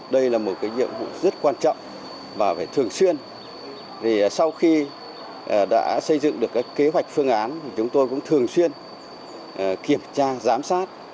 đã xây dựng được kế hoạch phương án chúng tôi cũng thường xuyên kiểm tra giám sát